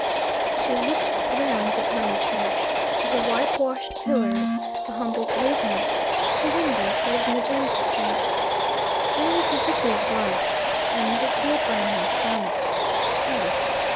She looked round the tiny church; at the whitewashed pillars, the humble pavement, the window full of magenta saints. There was the vicar's wife. And Mrs. Wilbraham's bonnet. Ugh!